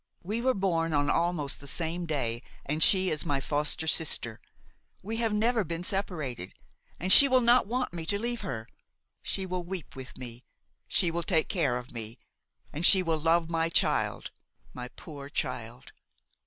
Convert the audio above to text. We were born on almost the same day, and she is my foster sister. We have never been separated, and she will not want me to leave her. She will weep with me; she will take care of me, and she will love my child–my poor child!